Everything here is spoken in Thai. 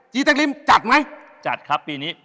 ตะริมจัดไหมจัดครับปีนี้